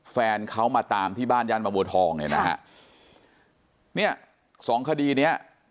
แฟนเขามาตามที่บ้านย่านบางบัวทองเนี่ยนะฮะเนี่ยสองคดีเนี้ย